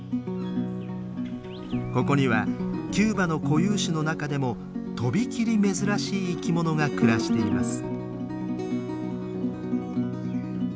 ここにはキューバの固有種の中でも飛び切り珍しい生き物が暮らしています。